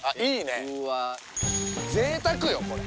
贅沢よこれ。